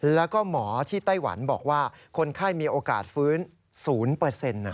แล้วก็หมอที่ไต้หวันบอกว่าคนไข้มีโอกาสฟื้น๐